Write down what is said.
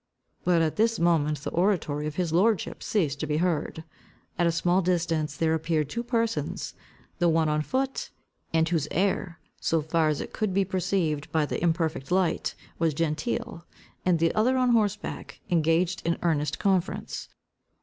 But at this moment the oratory of his lordship ceased to be heard. At a small distance there appeared two persons, the one on foot, and whose air, so far as it could be perceived by the imperfect light, was genteel, and the other on horseback, engaged in earnest conference.